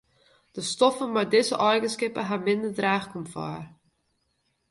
De stoffen mei dizze eigenskippen hawwe minder draachkomfort.